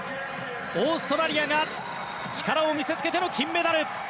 オーストラリアが力を見せつけての金メダル！